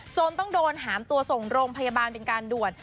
จนต้องโดนหามตัวส่งโรงพยาบาลเป็นการด่วน